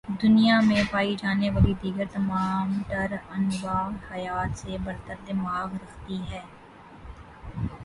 دنیا میں پائی جانے والی دیگر تمام تر انواع حیات سے برتر دماغ رکھتی ہے